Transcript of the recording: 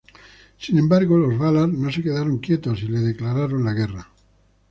Sin embargo, Los Valar no se quedaron quietos y le declararon la guerra.